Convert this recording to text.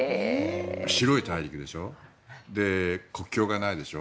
白い大陸でしょ。